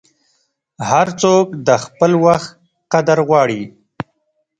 هر څوک د خپل وخت قدر غواړي.